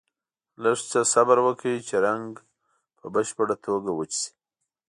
لږ څه صبر وکړئ چې رنګ په بشپړه توګه وچ شي.